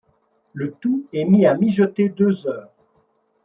Le tout est mis à mijoter deux heures.